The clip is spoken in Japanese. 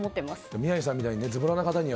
宮司さんみたいにズボラな方には。